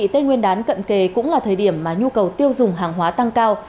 tết nguyên đán cận kề cũng là thời điểm mà nhu cầu tiêu dùng hàng hóa tăng cao